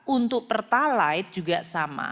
untuk pertalite juga sama